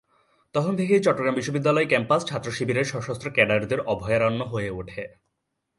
তখন থেকেই চট্টগ্রাম বিশ্ববিদ্যালয় ক্যাম্পাস ছাত্রশিবিরের সশস্ত্র ক্যাডারদের অভয়ারণ্য হয়ে ওঠে।